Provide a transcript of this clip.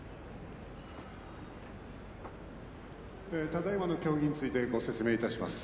ただいまの協議について説明します。